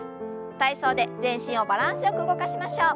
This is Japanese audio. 体操で全身をバランスよく動かしましょう。